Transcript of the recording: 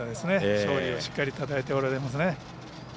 勝利をしっかりたたえておられますね。